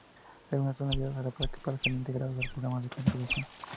Algunas son enviadas al parque para ser integradas al Programa de Conservación.